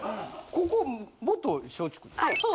ここ元松竹でしょ。